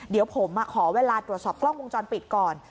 เดี๋ยวผมขอเวลาตรวจสอบกล้องวงจรปิดก่อน